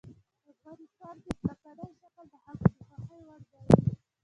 افغانستان کې ځمکنی شکل د خلکو د خوښې وړ ځای دی.